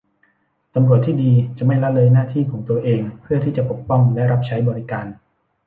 ตำรวจที่ดีจะไม่ละเลยหน้าที่ของตัวเองเพื่อที่จะปกป้องและรับใช้บริการ